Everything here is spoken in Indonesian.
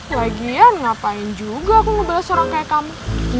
lagian ngapain juga aku ngebahas orang kayak kamu